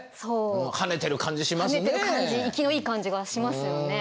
跳ねてる感じ生きのいい感じがしますよね。